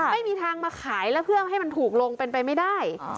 ไม่มีทางมาขายแล้วเพื่อให้มันถูกลงเป็นไปไม่ได้